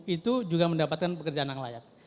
itu juga mendapatkan pekerjaan yang layak